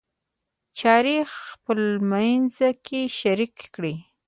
چارې خپلمنځ کې شریک کړئ.